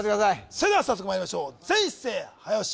それでは早速まいりましょう全員一斉早押し